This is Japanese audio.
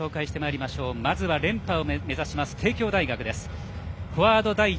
まずは連覇を目指す帝京大学。